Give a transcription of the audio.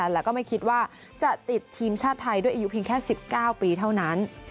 แล้วก็ไม่คิดว่าจะติดทีมชาติไทยด้วยอายุเพียงแค่๑๙ปีเท่านั้น